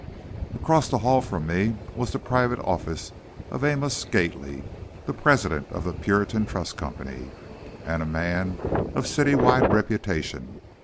Across the hall from me was the private office of Amos Gately, the President of the Puritan Trust Company, and a man of city wide reputation.